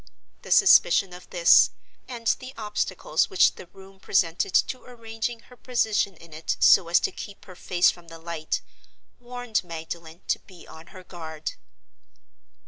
The suspicion of this, and the obstacles which the room presented to arranging her position in it so as to keep her face from the light, warned Magdalen to be on her guard.